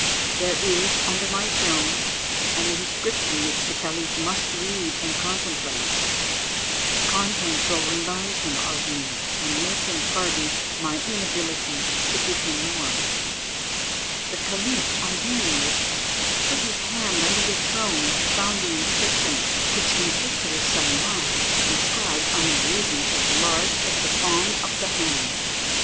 There is, under my throne, an inscription which the caliph must read and contemplate. Its contents will remind him of me, and make him pardon my inability to give him more." The caliph, on hearing this, put his hand under the throne, and found the inscription, which consisted of some lines, inscribed on a ruby as large as the palm of the hand.